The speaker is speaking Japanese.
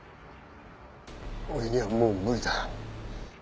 俺にはもう無理だ。